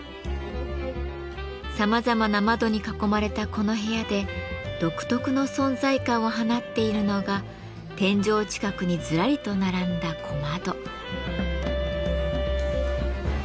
さまざまな窓に囲まれたこの部屋で独特の存在感を放っているのが天井近くにずらりと並んだ小窓。